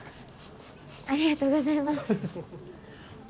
ありがとうございます。